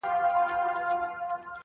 بې خبره له جهانه-